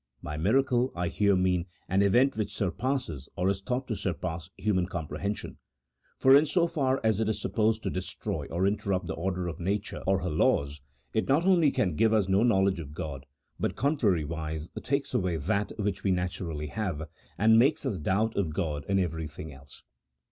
By miracle, I here mean an event which surpasses, or is thought to surpass, human comprehension : for in so far as it is supposed to destroy or CHAP. VI.] OF MIRACLES. 87 interrupt the order of nature or her laws, it not only can give us no knowledge of God, but, contrariwise, takes away that which we naturally have, and makes us doubt of God and everything else.